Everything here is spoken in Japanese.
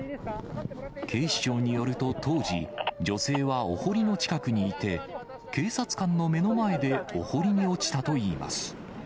警視庁によると当時、女性はお堀の近くにいて、警察官の目の前でお堀に落ちたといいます。